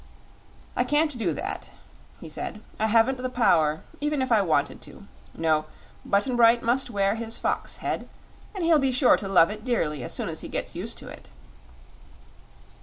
"I can't do that," he said; "I haven't the power, even if I wanted to. No, Button Bright must wear his fox head, and he'll be sure to love it dearly as soon as he gets used to it."